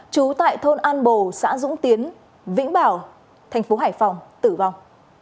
trú tại thôn an bồ xã dũng tiến vĩnh bảo tp hải phòng tử vong